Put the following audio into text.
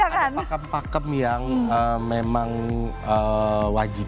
ada pakem pakem yang memang wajib